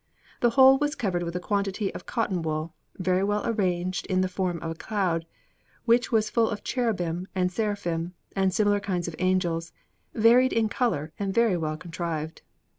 The whole was covered with a quantity of cotton wool, very well arranged in the form of a cloud, which was full of cherubim and seraphim, and similar kinds of angels, varied in colour and very well contrived.